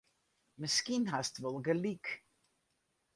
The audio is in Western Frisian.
Miskien hast wol gelyk.